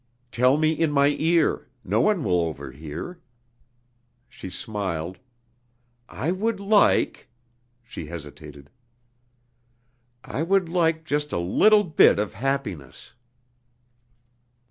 "Tell me in my ear. No one will overhear." She smiled: "I would like ..." (she hesitated). "I would like just a little bit of happiness...."